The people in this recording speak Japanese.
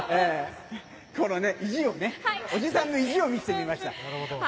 この意地をね、おじさんの意地を見せてみました。